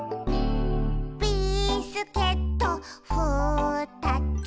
「ビスケットふたつ」